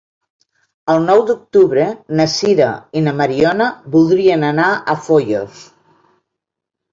El nou d'octubre na Sira i na Mariona voldrien anar a Foios.